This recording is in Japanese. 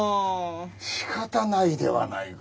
しかたないではないか。